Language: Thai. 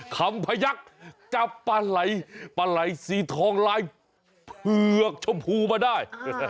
คำพยักษ์จับปลาไหล่ปลาไหล่สีทองลายเผือกชมพูมาได้